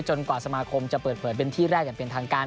กว่าสมาคมจะเปิดเผยเป็นที่แรกอย่างเป็นทางการ